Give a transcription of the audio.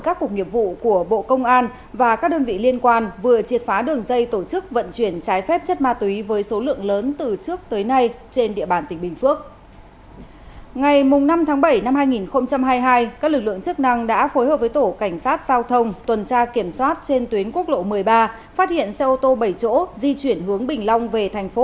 các đối tượng liên quan đến đường dây tổ chức mua bán người trái phép sang campuchia lao động bất hợp pháp